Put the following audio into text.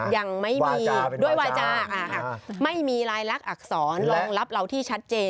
ยังไม่มีด้วยวาจาไม่มีลายลักษณอักษรรองรับเราที่ชัดเจน